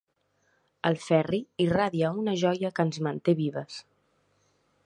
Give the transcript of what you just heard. El Ferri irradia una joia que ens manté vives.